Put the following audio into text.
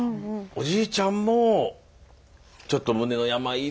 おじいちゃんもちょっと胸の病で。